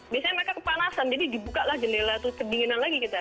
biasanya mereka kepanasan jadi dibuka lah jendela tuh kedinginan lagi kita